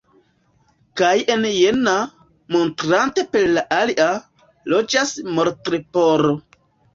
Kaj en jena, montrante per la alia, loĝas Martleporo.